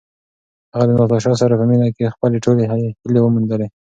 هغه د ناتاشا سره په مینه کې خپلې ټولې هیلې وموندلې.